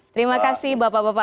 terima kasih bapak bapak